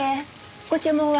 ご注文は？